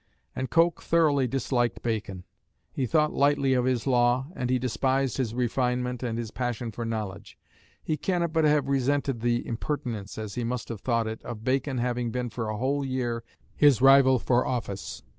And Coke thoroughly disliked Bacon. He thought lightly of his law, and he despised his refinement and his passion for knowledge. He cannot but have resented the impertinence, as he must have thought it, of Bacon having been for a whole year his rival for office.